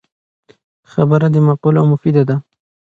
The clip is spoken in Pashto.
خبره دی معقوله او مفیده ده